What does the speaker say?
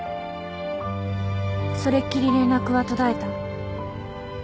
それっきり連絡は途絶えた。